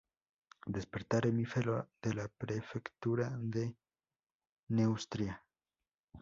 Despertar efímero de la Prefectura de Neustria.